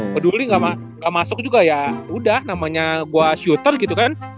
peduli gak masuk juga ya udah namanya gua syuter gitu kan